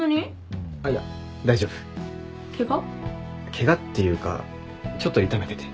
ケガっていうかちょっと痛めてて。